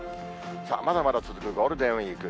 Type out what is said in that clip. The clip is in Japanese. まだまだ続くゴールデンウィーク。